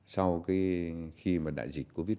sau khi mà đại dịch covid một mươi chín